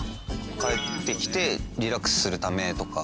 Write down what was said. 帰ってきてリラックスするためとか。